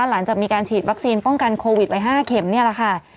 หลังจากมีการฉีดวัคซีนป้องกันโควิดไว้๕เข็มนี่แหละค่ะ